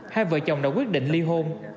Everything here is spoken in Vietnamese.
hai vợ chồng đã quyết định ly hôn